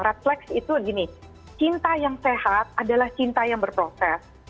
refleks itu gini cinta yang sehat adalah cinta yang berproses